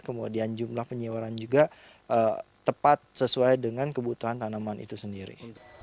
kemudian jumlah penyiaran juga tepat sesuai dengan kebutuhan tanaman itu sendiri